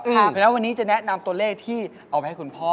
เพราะฉะนั้นวันนี้จะแนะนำตัวเลขที่เอาไปให้คุณพ่อ